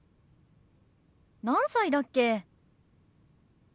何歳だっけ？